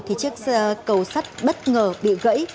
thì chiếc cầu sắt bất ngờ bị gãy